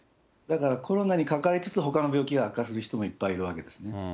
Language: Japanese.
だから、コロナにかかりつつ、ほかの病気が悪化する人もいっぱいいるわけですね。